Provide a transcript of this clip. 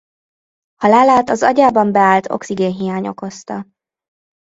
Halálát az agyában beállt oxigénhiány okozta.